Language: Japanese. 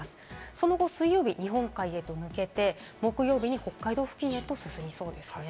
その後、水曜日に日本海へと抜けて、木曜日に北海道付近へと進みそうですね。